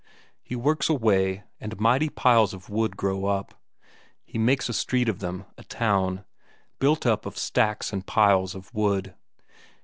He works away, and mighty piles of wood grow up; he makes a street of them, a town, built up of stacks and piles of wood.